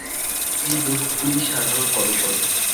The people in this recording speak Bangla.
এই লোকগুলি সাধারণ গবেষক।